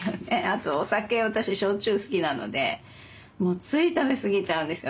あとお酒私焼酎好きなのでつい食べ過ぎちゃうんです。